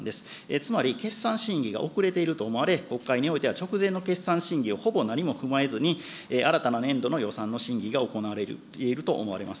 つまり、決算審議が遅れていると思われ、国会においては直前の決算審議をほぼ何も踏まえずに、新たな年度の予算の審議が行われていると思われます。